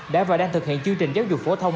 đã và đang thực hiện chương trình giáo dục phổ thông